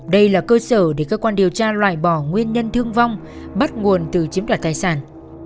đây là cơ sở để cơ quan điều tra loại bỏ nguyên nhân thương vong bắt nguồn từ chiếm đoạt tài sản